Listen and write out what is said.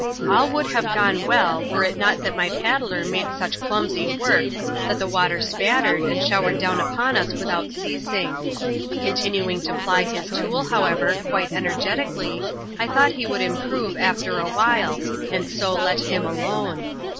All would have gone well, were it not that my paddler made such clumsy woiW^ liV^eX \Xi'^>N^^«3t 160 ADVENTURES IN THE SOUTH SEAS, [chap.xu. spattered, and showered doym upon us without ceasing. Coih tinuing to ply his tool, however, quite energetically, I thought he would improve after a while, and so let him alone.